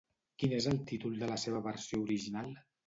Quin és el títol de la seva versió original?